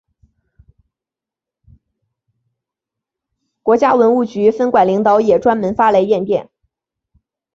国家文物局分管领导也专门发来唁电。